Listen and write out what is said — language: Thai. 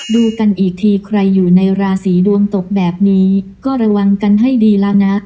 ดูกันอีกทีใครอยู่ในราศีดวงตกแบบนี้ก็ระวังกันให้ดีแล้วนะ